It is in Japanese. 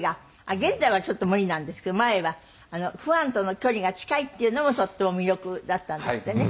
現在はちょっと無理なんですけど前はファンとの距離が近いっていうのもとっても魅力だったんですってね。